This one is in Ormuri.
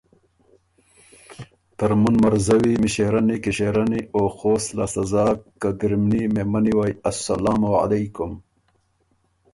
” ترمُن مرزوی، مݭېرنی، کِݭېرنی او خوست لاسته زاک قدرمني مېمنی وئ اسلام علیکم!